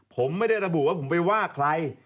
ผมไม่ได้ระบุว่าผมไปว่าใคร